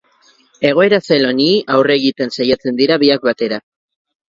Egoera zail honi aurre egiten saiatzen dira biak batera.